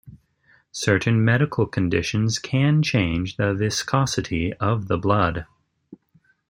Certain medical conditions can change the viscosity of the blood.